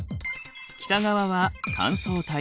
北側は乾燥帯。